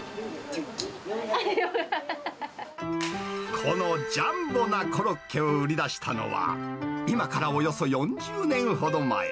このジャンボなコロッケを売り出したのは、今からおよそ４０年ほど前。